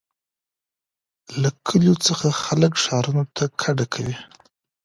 له کلیو څخه خلک ښارونو ته کډه کوي.